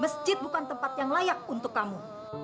masjid bukan tempat yang layak untuk kamu